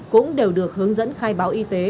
cũng đều được hướng dẫn khai báo y tế